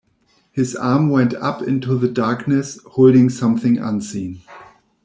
His arm went up into the darkness holding something unseen.